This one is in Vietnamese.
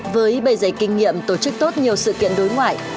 với bề giấy kinh nghiệm tổ chức tốt nhiều sự kiện đối ngoại